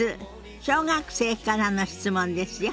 小学生からの質問ですよ。